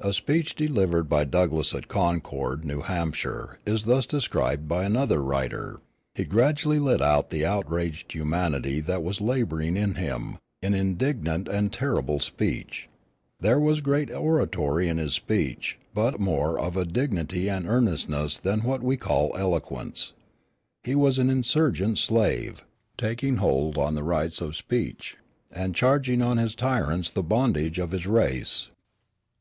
A speech delivered by Douglass at Concord, New Hampshire, is thus described by another writer: "He gradually let out the outraged humanity that was laboring in him, in indignant and terrible speech.... There was great oratory in his speech, but more of dignity and earnestness than what we call eloquence. He was an insurgent slave, taking hold on the rights of speech, and charging on his tyrants the bondage of his race."